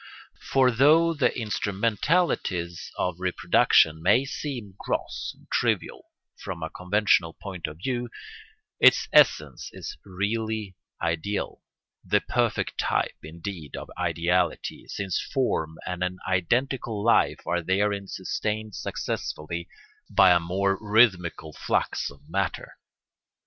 For though the instrumentalities of reproduction may seem gross and trivial from a conventional point of view, its essence is really ideal, the perfect type, indeed, of ideality, since form and an identical life are therein sustained successfully by a more rhythmical flux of matter.